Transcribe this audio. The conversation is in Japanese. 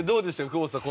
久保田さん。